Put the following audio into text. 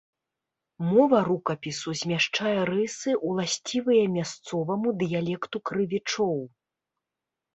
Мова рукапісу змяшчае рысы, уласцівыя мясцоваму дыялекту крывічоў.